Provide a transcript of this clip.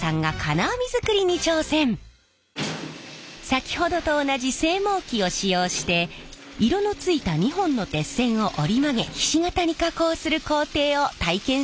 先ほどと同じ製網機を使用して色のついた２本の鉄線を折り曲げひし形に加工する工程を体験します。